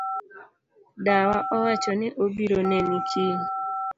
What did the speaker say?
Dawa owacho ni obiro neni kiny.